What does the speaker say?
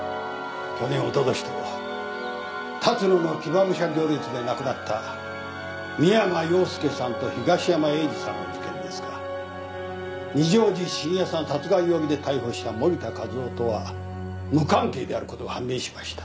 去年おととしと龍野の騎馬武者行列で亡くなった三山陽介さんと東山栄治さんの事件ですが二条路信也さん殺害容疑で逮捕した盛田和夫とは無関係であることが判明しました。